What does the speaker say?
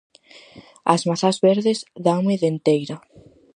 As mazás verdes danme denteira.